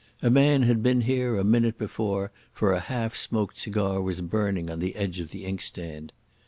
A man had been here a minute before, for a half smoked cigar was burning on the edge of the inkstand.